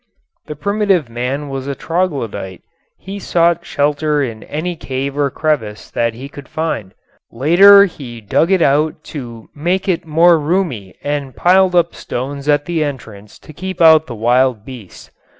The primitive man was a troglodyte. He sought shelter in any cave or crevice that he could find. Later he dug it out to make it more roomy and piled up stones at the entrance to keep out the wild beasts.